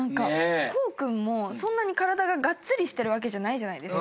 功君もそんなに体ががっつりしてるわけじゃないじゃないですか。